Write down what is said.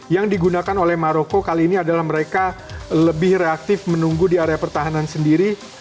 yang digunakan oleh maroko kali ini adalah mereka lebih reaktif menunggu di area pertahanan sendiri